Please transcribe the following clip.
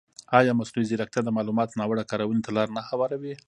ایا مصنوعي ځیرکتیا د معلوماتو ناوړه کارونې ته لاره نه هواروي؟